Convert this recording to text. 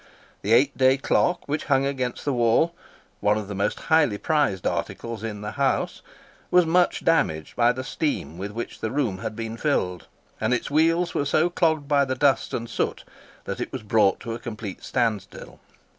The eight day clock, which hung against the wall—one of the most highly prized articles in the house—was much damaged by the steam with which the room had been filled; and its wheels were so clogged by the dust and soot that it was brought to a complete standstill.